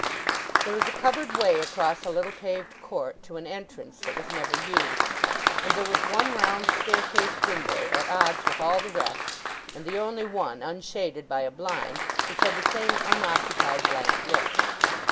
There was a covered way across a little paved court, to an entrance that was never used; and there was one round staircase window, at odds with all the rest, and the only one unshaded by a blind, which had the same unoccupied blank look.